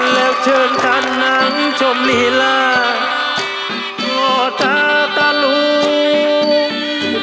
แล้วเชิญท่านนั่งชมลีลาพ่อตาตาลุง